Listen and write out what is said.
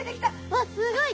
わっすごい！